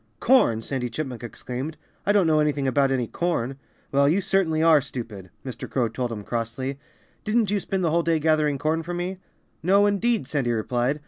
"Corn!" Sandy Chipmunk exclaimed. "I don't know anything about any corn!" "Well, you certainly are stupid!" Mr. Crow told him crossly. "Didn't you spend the whole day gathering corn for me?" "No, indeed!" Sandy replied.